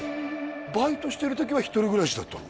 バイトしてる時は１人暮らしだったの？